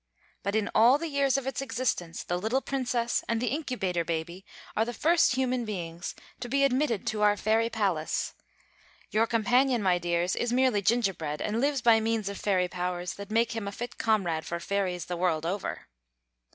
But in all the years of its existence the little Princess and the Incubator Baby are the first human beings to be admitted to our fairy palace. Your companion, my dears, is merely gingerbread, and lives by means of fairy powers that make him a fit comrade for fairies the world over."